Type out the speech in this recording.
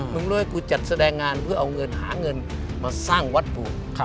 ด้วยกูจัดแสดงงานเพื่อเอาเงินหาเงินมาสร้างวัดปู่